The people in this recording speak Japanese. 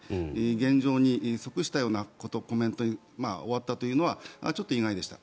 現状に即したようなコメントに終わったというのはちょっと意外でした。